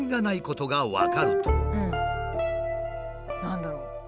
何だろう。